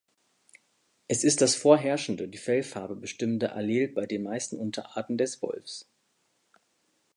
Es ist das vorherrschende die Fellfarbe bestimmende Allel bei den meisten Unterarten des Wolfs.